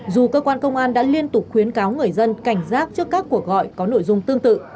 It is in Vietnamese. dù cơ quan công an đã liên tục khuyến cáo người dân cảnh giác trước các cuộc gọi có nội dung tương tự